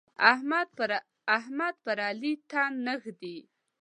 احمد پر علي تن نه ږدي.